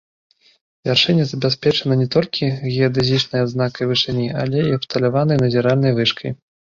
Вяршыня забяспечана не толькі геадэзічнай адзнакай вышыні, але і абсталяванай назіральнай вышкай.